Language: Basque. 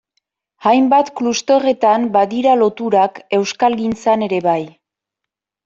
Hainbat klusterretan badira loturak, euskalgintzan ere bai...